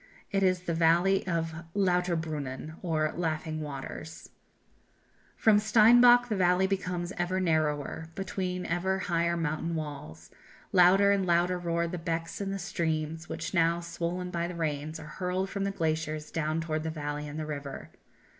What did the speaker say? It is the valley of Lauterbrunnen, or "Laughing Waters": "From Steinbock the valley becomes ever narrower, between ever higher mountain walls; louder and louder roar the becks and the streams, which, now swollen by the rains, are hurled from the glaciers down towards the valley and the river.